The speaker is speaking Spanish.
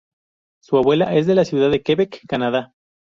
Su abuela es de la ciudad de Quebec, Canadá.